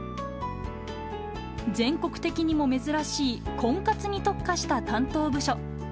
全国的にも珍しい婚活に特化した担当部署。